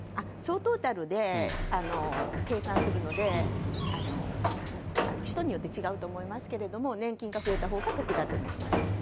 総トータルで計算するので、人によって違うと思いますけれども、年金が増えたほうが得だと思います。